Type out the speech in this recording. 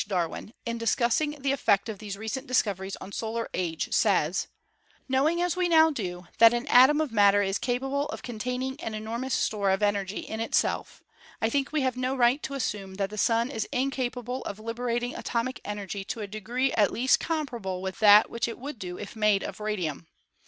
Darwin, in discussing the effect of these recent discoveries on solar age, says: "Knowing, as we now do, that an atom of matter is capable of containing an enormous store of energy in itself, I think we have no right to assume that the Sun is incapable of liberating atomic energy to a degree at least comparable with that which it would do if made of radium.